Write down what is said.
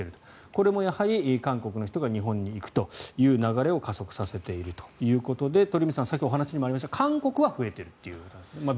これもやはり韓国の人が日本に行くという流れを加速させているということで鳥海さん先ほどお話にもありましたが韓国は増えていると。